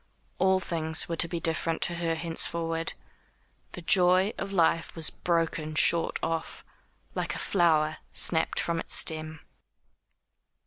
All things were to be different to her henceforward. The joy of life was broken short off, like a flower snapped from its stem.